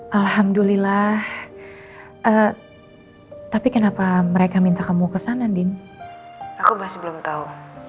hai alhamdulillah eh tapi kenapa mereka minta kamu kesana den discriminer tahu